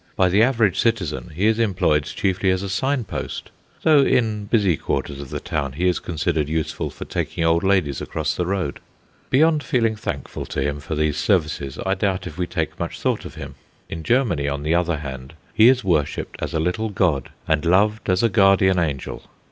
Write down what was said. By the average citizen he is employed chiefly as a signpost, though in busy quarters of the town he is considered useful for taking old ladies across the road. Beyond feeling thankful to him for these services, I doubt if we take much thought of him. In Germany, on the other hand, he is worshipped as a little god and loved as a guardian angel.